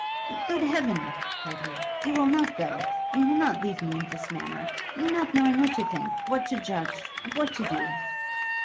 'Good Heaven!' cried he, 'you will not go? you will not leave me in this manner? not knowing what to think, what to judge, what to do?'